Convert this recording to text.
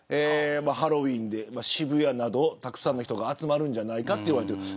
ハロウィーンで渋谷などたくさんの人が集まるんではないかと言われています。